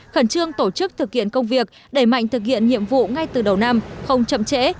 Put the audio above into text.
khẩn trương tổ chức thực hiện công việc đẩy mạnh thực hiện nhiệm vụ ngay từ đầu năm không chậm trễ